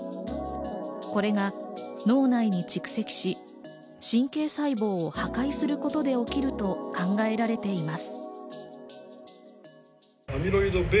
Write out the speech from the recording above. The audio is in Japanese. これが脳内に蓄積し、神経細胞を破壊することで起きると考えられています。